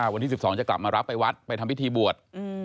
วันที่๑๒จะกลับมารับไปวัดไปทำพิธีบวช